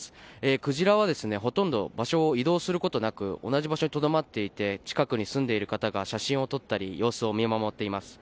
クジラはほとんど場所を移動することなく同じ場所にとどまっていて近くに住んでいる方が写真を撮ったり様子を見守っています。